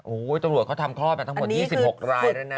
โอ้โหตำรวจเขาทำคลอดมาทั้งหมด๒๖รายแล้วนะ